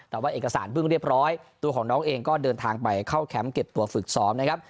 แต่ว่าเอกสารเพิ่งเรียบร้อยตัวของน้องเองก็เดินทางไปเข้าแคมป์เก็บตัวฝึกซ้อมนะครับ